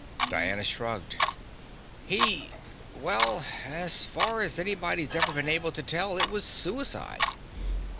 Diana shrugged. "He well, as far as anybody's ever been able to tell, it was suicide.